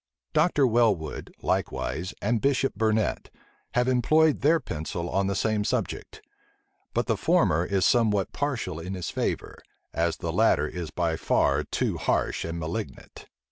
Dr Welwood, likewise, and Bishop Burnet have employed their pencil on the same subject; but the former is somewhat partial in his favor, as the latter is by far too harsh and malignant.